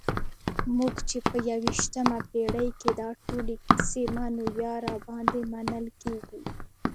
موږ چې په یویشتمه پېړۍ کې دا ټولې کیسې منو یا راباندې منل کېږي.